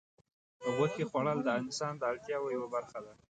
د غوښې خوړل د انسان د اړتیاوو یوه برخه ده.